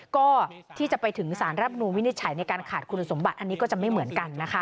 ก็ที่จะไปถึงสารรับนูลวินิจฉัยในการขาดคุณสมบัติอันนี้ก็จะไม่เหมือนกันนะคะ